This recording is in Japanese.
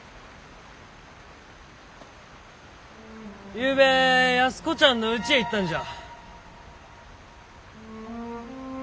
ゆうべ安子ちゃんのうちへ行ったんじゃ。